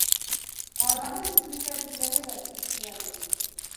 Ҡарғаны ситлеккә бикләмәйҙәр, председатель!